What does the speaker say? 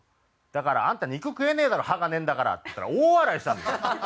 だから「あんた肉食えねえだろ歯がねえんだから！」って言ったら大笑いしたんです。